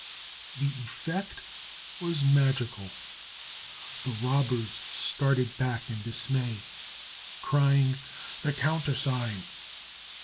The effect was magical. The robbers started back in dismay, crying, "The countersign!"